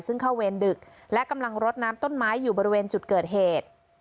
ซึ่งเข้าเวรดึกและกำลังรดน้ำต้นไม้อยู่บริเวณจุดเกิดเหตุ